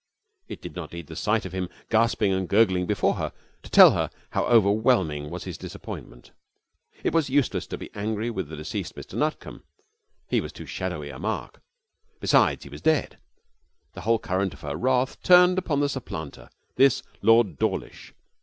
It did not need the sight of him, gasping and gurgling before her, to tell her how overwhelming was his disappointment. It was useless to be angry with the deceased Mr Nutcombe. He was too shadowy a mark. Besides, he was dead. The whole current of her wrath turned upon the supplanter, this Lord Dawlish.